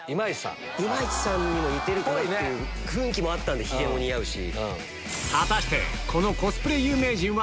今市さんにも似てるかなって雰囲気もあったヒゲも似合うし。